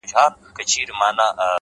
• د پاچا د لوڅ بدن خبره سره سوه,